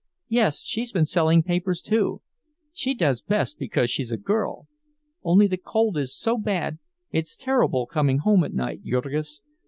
"Yes, she's been selling papers, too. She does best, because she's a girl. Only the cold is so bad—it's terrible coming home at night, Jurgis.